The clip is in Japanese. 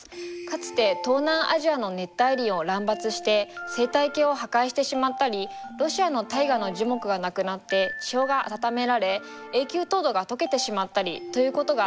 かつて東南アジアの熱帯林を乱伐して生態系を破壊してしまったりロシアのタイガの樹木がなくなって地表が暖められ永久凍土が解けてしまったりということがあったんです。